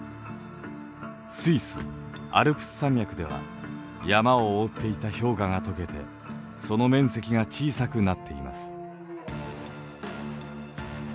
スイスアルプス山脈では山を覆っていた氷河が解けてその面積が小さくなっています。